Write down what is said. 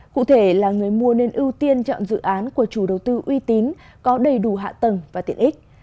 cụ thể là người mua nên ưu tiên chọn dự án của chủ đầu tư uy tín có đầy đủ hạ tầng và tiện ích